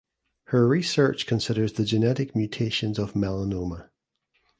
Her research considers the genetic mutations of melanoma.